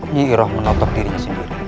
nyi iroh menotok dirinya sendiri